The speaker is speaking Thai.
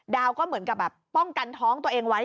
ก็เหมือนกับแบบป้องกันท้องตัวเองไว้